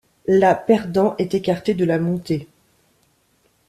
La perdant est écarté de la montée.